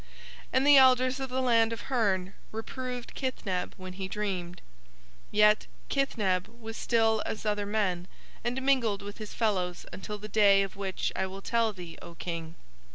And the elders of the land of Hurn reproved Kithneb when he dreamed; yet Kithneb was still as other men and mingled with his fellows until the day of which I will tell thee, O King.